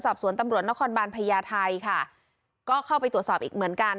ตำรวจนครบานพญาไทยค่ะก็เข้าไปตรวจสอบอีกเหมือนกัน